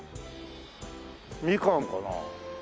みかんかなあ？